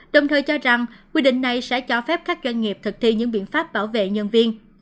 đồng thời cho rằng quy định này sẽ cho phép các doanh nghiệp thực thi những biện pháp bảo vệ nhân viên